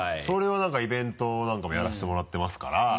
それはイベントなんかもやらせてもらってますから。